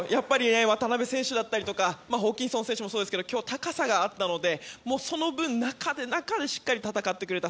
渡邊選手だったりホーキンソン選手もそうですけど今日、高さがあったのでその分、中で戦ってくれた。